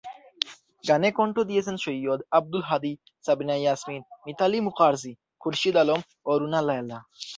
গানে কণ্ঠ দিয়েছেন সৈয়দ আব্দুল হাদী, সাবিনা ইয়াসমিন, মিতালী মুখার্জি, খুরশিদ আলম, ও রুনা লায়লা।